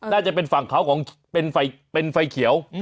น่าจะเป็นฝั่งเขาของเป็นไฟเขียว